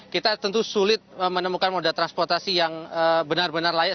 kita tentu sulit menemukan moda transportasi yang benar benar layak